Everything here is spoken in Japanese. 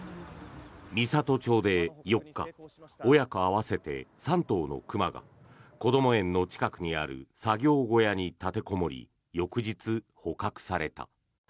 美郷町で４日親子合わせて３頭の熊がこども園の近くにある作業小屋に立てこもり翌日、捕獲された。